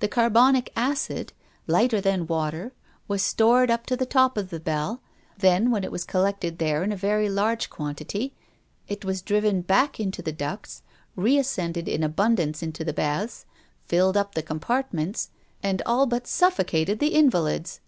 The carbonic acid, lighter than water, was stored up to the top of the bell; then, when it was collected there in a very large quantity, it was driven back into the ducts, reascended in abundance into the baths, filled up the compartments, and all but suffocated the invalids.